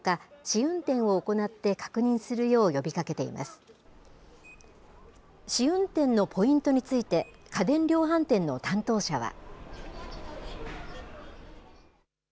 試運転のポイントについて、家電量販店の担当者は。